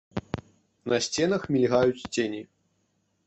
На сценах мільгаюць цені.